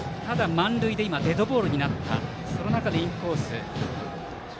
満塁でデッドボールになったその中でインコース。